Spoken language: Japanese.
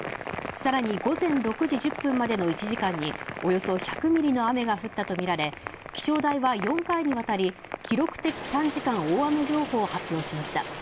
さらに午前６時１０分までの１時間におよそ１００ミリの雨が降ったとみられ、気象台は４回にわたり記録的短時間大雨情報を発表しました。